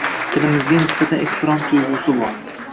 Tilimizga nisbatan ehtirom tuyg‘usi bor.